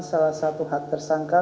salah satu hak tersangka